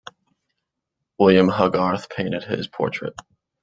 William Hogarth painted his portrait.